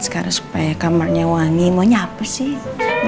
sekarang supaya kamarnya wangi maunya apa sih